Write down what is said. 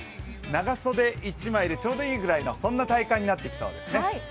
長袖１枚でちょうどいいぐらいのそんな体感になってきそうですね。